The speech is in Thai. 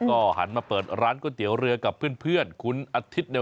ก็หันมาเปิดร้านก๋วยเตี๋ยวเรือกับเพื่อนคุณอาทิตย์เนี่ย